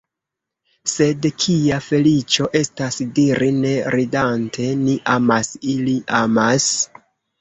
Sed kia feliĉo estas diri ne ridante: „Ni amas, ili amas.